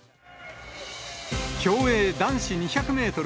競泳男子２００メートル